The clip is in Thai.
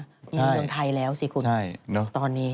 ในเมืองไทยแล้วสิคุณตอนนี้ใช่ใช่เนอะ